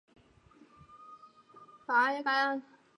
这种集中涌出可能导致在月丘峰顶形成了一座喷口坑。